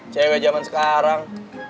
cewek zaman sekarang